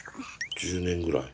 １０年ぐらい。